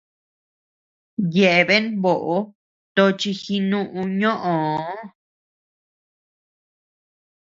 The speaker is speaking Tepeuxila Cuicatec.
Yeabean bóʼo tochi jinuʼü ñóʼöo.